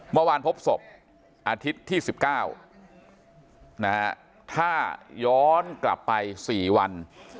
เมื่อวานพบศพอาทิตย์ที่สิบเก้านะฮะถ้าย้อนกลับไปสี่วัน